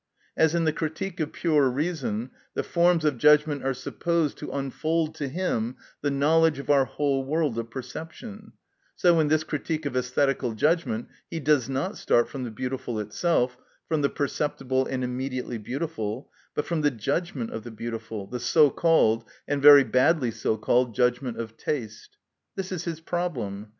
As in the "Critique of Pure Reason" the forms of judgment are supposed to unfold to him the knowledge of our whole world of perception, so in this "Critique of Æsthetical Judgment" he does not start from the beautiful itself, from the perceptible and immediately beautiful, but from the judgment of the beautiful, the so called, and very badly so called, judgment of taste. This is his problem.